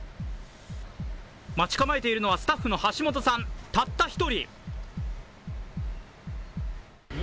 待ち構えているのはスタッフの橋本さんたった１人。